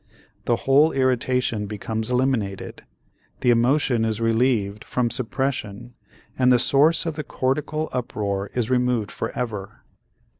The whole irritation becomes eliminated, the emotion is relieved from suppression and the source of the cortical uproar is removed forever.